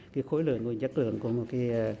khối lượng và chất lượng của một